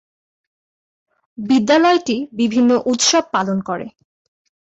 বিদ্যালয়টি বিভিন্ন উৎসব পালন করে।